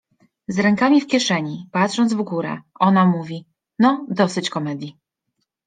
Z rękami w kieszeni, patrząc w górę, ona mówi: — No, dosyć komedii.